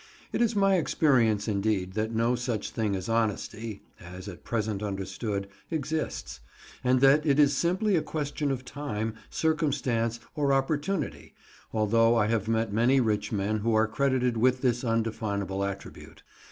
It is my experience, indeed, that no such thing as honesty—as at present understood—exists, and that it is simply a question of time, circumstance, or opportunity, although I have met many rich men who are credited with this undefinable attribute.